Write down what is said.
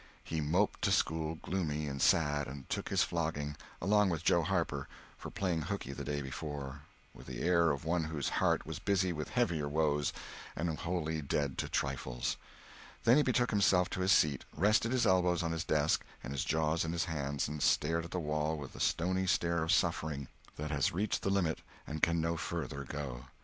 He moped to school gloomy and sad, and took his flogging, along with Joe Harper, for playing hookey the day before, with the air of one whose heart was busy with heavier woes and wholly dead to trifles. Then he betook himself to his seat, rested his elbows on his desk and his jaws in his hands, and stared at the wall with the stony stare of suffering that has reached the limit and can no further go.